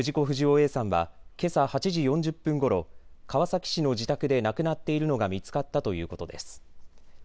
不二雄Ａさんはけさ８時４０分ごろ川崎市の自宅で亡くなっているのが見つかったということです。